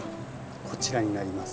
こちらになります。